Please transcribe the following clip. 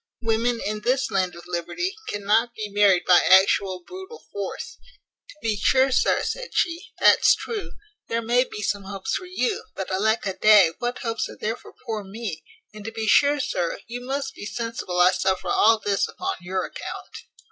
Women in this land of liberty, cannot be married by actual brutal force." "To be sure, sir," said she, "that's true. There may be some hopes for you; but alack a day! what hopes are there for poor me? And to be sure, sir, you must be sensible I suffer all this upon your account.